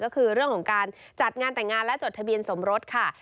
ก็คือเรื่องของการจัดงานแต่งงานและจดทะเบียนสมรสค่ะ